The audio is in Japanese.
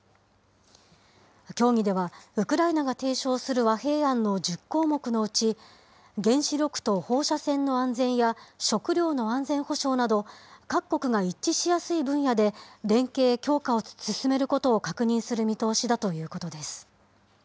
協議では、ウクライナが提唱する和平案の１０項目のうち、原子力と放射線の安全や食料の安全保障など、各国が一致しやすい分野で、連携強化を進めることを確認する見通しだということです。